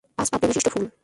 পাঁচ পাপড়ি বিশিষ্ট ফুল।